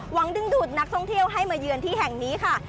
หวังดึงดูดนักท่องเที่ยวให้มาเยือนที่แห่งนี้ค่ะ